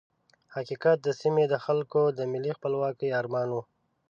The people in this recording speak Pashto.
حقیقت د سیمې د خلکو د ملي خپلواکۍ ارمان وو.